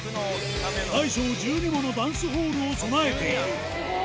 大小１２ものダンスホールを備えている。